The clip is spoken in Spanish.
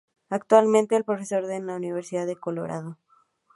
Actualmente es profesor en la Universidad de Colorado.